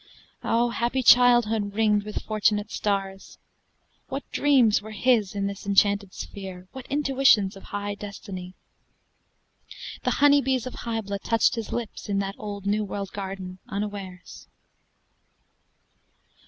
Ah, happy childhood, ringed with fortunate stars! What dreams were his in this enchanted sphere, What intuitions of high destiny! The honey bees of Hybla touched his lips In that old New World garden, unawares.